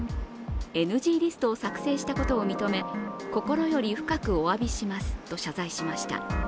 ＮＧリストを作成したことを認め心より深くおわびしますと謝罪しました。